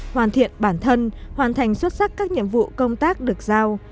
hoàn thiện bản thân hoàn thành xuất sắc các nhiệm vụ công tác được giao